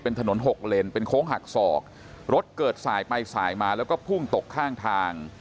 เป็นถนนหกเลนเป็นโค้งหักศอกรถเกิดสายไปสายมาแล้วก็พุ่งตกข้างทาง